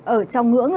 ở trong ngưỡng